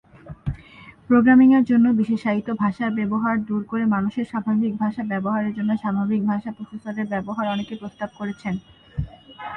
প্রোগ্রামিং-এর জন্য বিশেষায়িত ভাষার ব্যবহার দূর করে মানুষের স্বাভাবিক ভাষা ব্যবহারের জন্য স্বাভাবিক ভাষা প্রসেসরের ব্যবহার অনেকে প্রস্তাব করেছেন।